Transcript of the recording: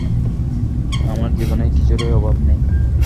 আমার জীবনে কিছুরই অভাব নেই।